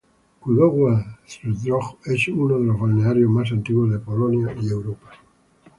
Kudowa-Zdrój es uno de los balnearios más antiguos de Polonia y Europa.